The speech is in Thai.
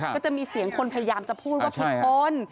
ก็จะมีเสียงคนพยายามจะพูดว่าผิดคน